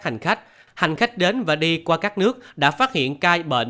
hành khách hành khách đến và đi qua các nước đã phát hiện ca bệnh